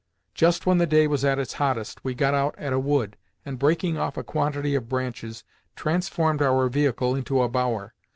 Just when the day was at its hottest, we got out at a wood, and, breaking off a quantity of branches, transformed our vehicle into a bower.